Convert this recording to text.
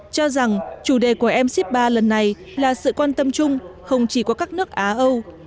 cho rằng chủ đề của mc ba lần này là sự quan tâm chung không chỉ của các nước á âu